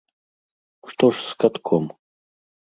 Што ж з катком?